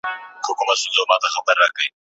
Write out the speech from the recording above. جهاني اوس دي په ژبه پوه سوم